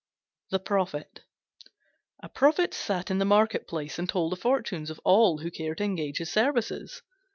THE PROPHET A Prophet sat in the market place and told the fortunes of all who cared to engage his services.